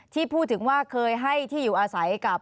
ที่พูดถึงว่าเคยให้ที่อยู่อาศัยกับ